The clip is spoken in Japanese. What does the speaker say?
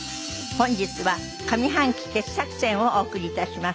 本日は上半期傑作選をお送り致します。